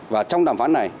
và trong đàm phán này